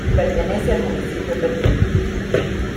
Pertenece al municipio Petit.